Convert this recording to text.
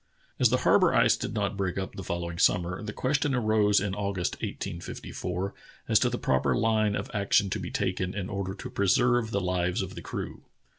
As the harbor ice did not break up the following summer, the question arose in August, 1854, as to the proper line of action to be taken in order to preserve the lives of the crew.